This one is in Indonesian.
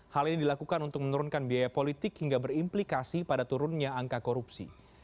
hal ini dilakukan untuk menurunkan biaya politik hingga berimplikasi pada turunnya angka korupsi